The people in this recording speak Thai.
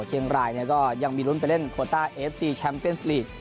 เชียงรายก็ยังมีลุ้นไปเล่นโคต้าเอฟซีแชมป์เป็นสลีก